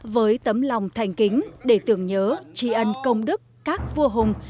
với tấm lòng thành kính để tưởng nhớ tri ân công đức các vua hùng